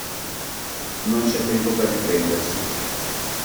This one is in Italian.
Non c'è tempo per riprendersi.